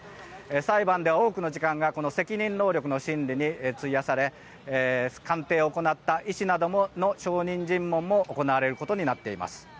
裁判で、多くの時間がこの責任能力の審理に費やされ鑑定を行った医師などの証人尋問も行われることになっています。